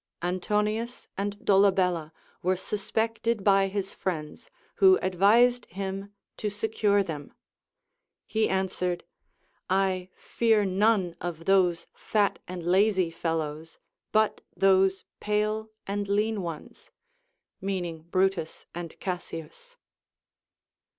Antonius and Dolabelhi were suspected by his friends, who advised him to secure them ; he answered, I fear none of those fat and lazy fello\vs, but those pale and lean ones, — meaning Brutus and Cassius.